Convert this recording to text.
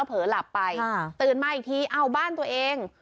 เผลอหลับไปตื่นมาอีกทีเอ้าบ้านตัวเอง